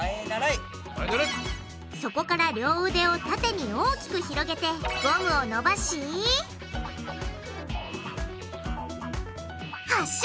そこから両腕を縦に大きく広げてゴムを伸ばし発射！